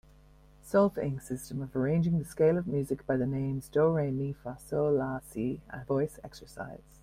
Solfaing system of arranging the scale of music by the names do, re, mi, fa, sol, la, si a voice exercise.